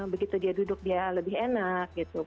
begitu dia duduk dia lebih enak